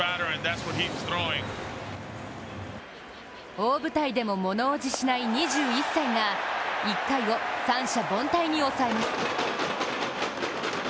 大舞台でも物おじしない２１歳が１回を三者凡退に抑えます。